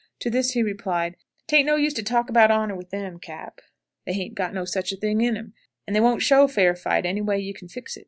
To this he replied, "Tain't no use to talk about honor with them, Cap.; they hain't got no such thing in um; and they won't show fair fight, any way you can fix it.